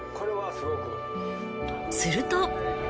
すると。